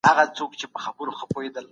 زه درس اورم.